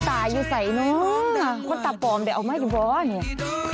ตายอยู่ใสเนอะคนตาปลอมได้เอามาอยู่บ้อเนี่ย